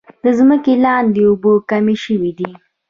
د ځمکې لاندې اوبه کمې شوي دي.